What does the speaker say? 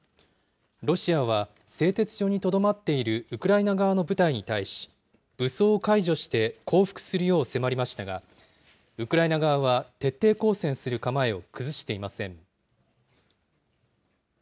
ロシアは製鉄所にとどまっているウクライナ側の部隊に対し、武装解除して降伏するよう迫りましたが、ウクライナ側は徹底抗戦する構えを崩していません。